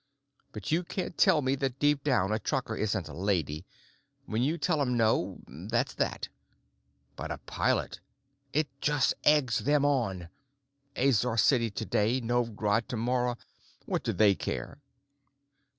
But you can't tell me that deep down a trucker isn't a lady. When you tell them no, that's that. But a pilot—it just eggs them on. Azor City today, Novj Grad tomorrow—what do they care?"